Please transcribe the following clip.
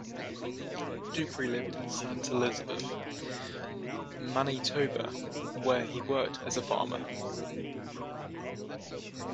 Duprey lived in Saint Elizabeth, Manitoba, where he worked as a farmer.